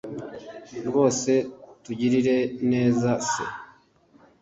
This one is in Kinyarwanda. rwose tugirire neza c